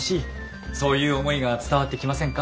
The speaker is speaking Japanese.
そういう思いが伝わってきませんか？